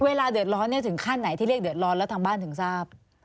เวลาเดือดร้อนถึงขั้นไหนที่เรียกเดือดร้อนแล้วทางบ้านถึงทราบ